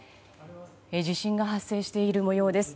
地震が発生している模様です。